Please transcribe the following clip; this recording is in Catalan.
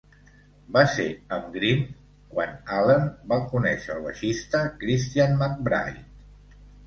Va ser amb Green quan Allen va conèixer el baixista Christian McBride.